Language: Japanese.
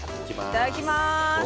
いただきます。